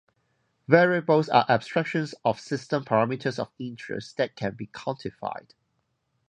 Variables are abstractions of system parameters of interest, that can be quantified.